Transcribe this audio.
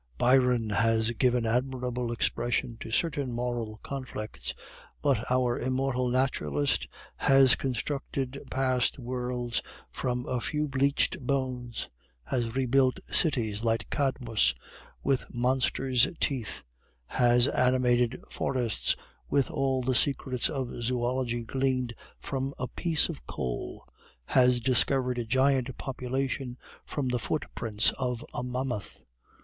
Byron has given admirable expression to certain moral conflicts, but our immortal naturalist has reconstructed past worlds from a few bleached bones; has rebuilt cities, like Cadmus, with monsters' teeth; has animated forests with all the secrets of zoology gleaned from a piece of coal; has discovered a giant population from the footprints of a mammoth.